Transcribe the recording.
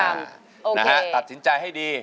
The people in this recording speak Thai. นะฮะตัดสินใจให้ดี